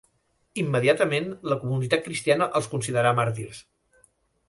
Immediatament, la comunitat cristiana els considerà màrtirs.